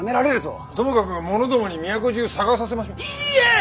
ともかく者どもに都中探させましょ。いいえ！